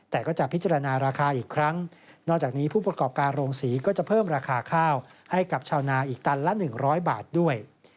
แต่ก็จะพิจารณาราคาอีกครั้งนอกจากนี้ผู้ประกอบการโรงศรีก็จะเพิ่มราคาข้าวให้กับชาวนาอีกตันละ๑๐๐บาทด้วย